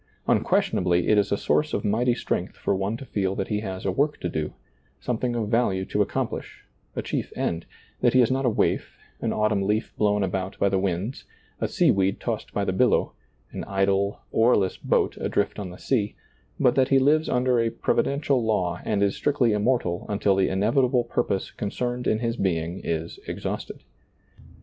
Unquestionably, it is a source of mighty strength for one to feel that he has a work to do, something of value to accomplish, a chief end ; that he is not a waif, an autumn leaf blown about by the winds, a sea weed tossed by the billow, an idle, earless boat adrift on the sea ; but that he lives under a provi dential law and is strictly immortal until the in evitable purpose concerned in his being is ex hausted.